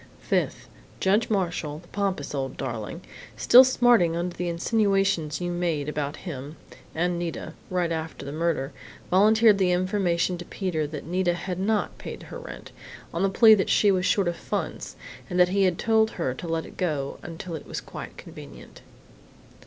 "Fifth: Judge Marshall the pompous old darling still smarting under the insinuations you made about him and Nita right after the murder, volunteered the information to Peter that Nita had not paid her rent, on the plea that she was short of funds, and that he had told her to let it go until it was quite convenient.